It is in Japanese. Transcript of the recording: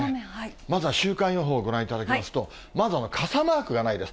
まずは週間予報をご覧いただきますと、まず傘マークがないです。